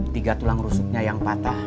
tiga tulang rusuknya yang patah